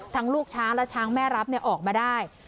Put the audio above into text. ลูกช้างและช้างแม่รับออกมาได้